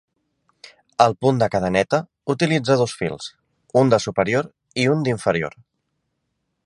El punt de cadeneta utilitza dos fils, un de superior i un d'inferior.